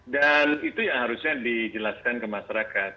dan itu yang harusnya dijelaskan ke masyarakat